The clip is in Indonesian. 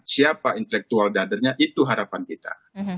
siapa intelektual dadernya itu harapan kita